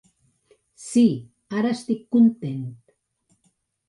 Sí, ara estic content.